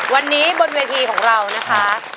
วันนี้บนเวทีของเรานะคะ